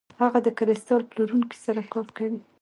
هغه د کریستال پلورونکي سره کار کوي.